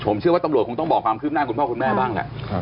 ผมเชื่อว่าตำรวจคงต้องบอกความคืบหน้าคุณพ่อคุณแม่บ้างแหละ